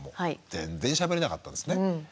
全然しゃべれなかったんですね。